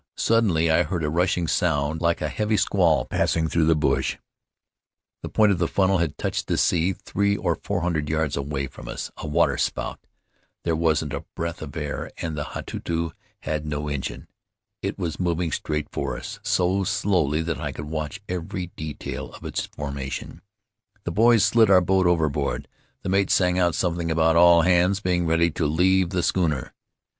Sud denly I heard a rushing sound, like a heavy squall passing through the bush; the point of the funnel had touched the sea three or four hundred yards away from us — a waterspout! There wasn't a breath of air, and the Hatutu had no engine. It was moving straight for us, so slowly that I could watch every detail of its formation. The boys slid our boat over board; the mate sang out something about all hands being ready to leave the schooner.